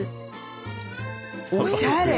おしゃれ！